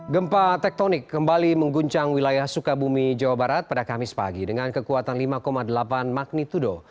gempa tektonik kembali mengguncang wilayah sukabumi jawa barat pada kamis pagi dengan kekuatan lima delapan magnitudo